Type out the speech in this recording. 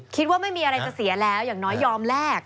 คิดว่าไม่มีอะไรจะเสียแล้วอย่างน้อยยอมแลก